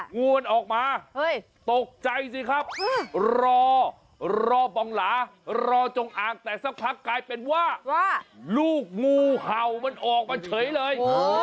งูมันออกมาตกใจสิครับรอรอบองหลารอจงอ่างแต่สักพักกลายเป็นว่าลูกงูเห่ามันออกมาเฉยเลย